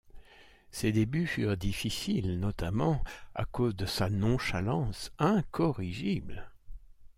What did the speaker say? Ses débuts furent difficiles, notamment à cause de sa nonchalance incorrigible.